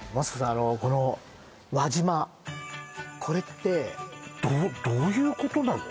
あのこの輪島これってどっどういうことなの？